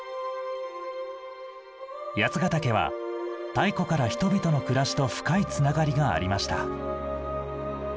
八ヶ岳は太古から人々の暮らしと深いつながりがありました。